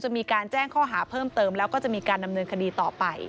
มีการแจ้งข้อหาเพิ่มเติมแล้วก็จะมีการดำเนินคดีต่อไป